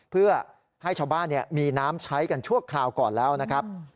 เพื่อให้ชาวบ้านมีน้ำใช้กันชั่วคราวก่อนแล้วนะครับ